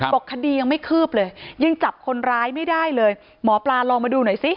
บอกคดียังไม่คืบเลยยังจับคนร้ายไม่ได้เลยหมอปลาลองมาดูหน่อยสิ